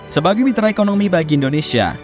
sebagai mitra ekonomi bagi indonesia